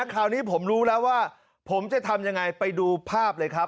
คราวนี้ผมรู้แล้วว่าผมจะทำยังไงไปดูภาพเลยครับ